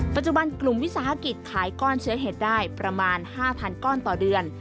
ปัจจุบันกลุ่มวิสาหกิจขายก้อนเชื้อเห็ดได้ประมาณ๕๐๐ก้อนต่อเดือน